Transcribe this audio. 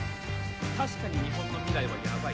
確かに日本の未来はヤバいと。